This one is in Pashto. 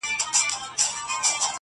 تلي مي سوځي په غرمو ولاړه یمه!